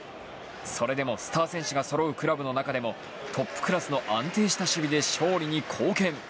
それでもスター選手が揃うクラブの中でもトップクラスの安定した守備で勝利に貢献。